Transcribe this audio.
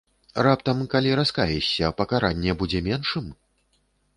Раптам, калі раскаешся, пакаранне будзе меншым?